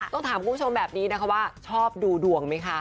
ต้องถามคุณผู้ชมแบบนี้นะคะว่าชอบดูดวงไหมคะ